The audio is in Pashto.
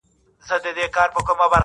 که خدای وکړه هره خوا مي پرې سمېږي,